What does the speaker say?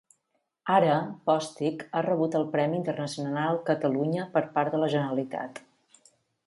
Ara, Postic ha rebut el premi Internacional Catalunya per part de la Generalitat.